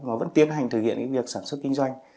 mà vẫn tiến hành thực hiện những việc sản xuất kinh doanh